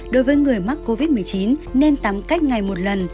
đối với người mắc covid một mươi chín nên tắm cách ngày một lần